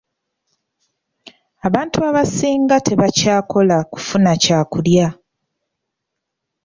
Abantu abasinga tebakyasobola kufuna kyakulya.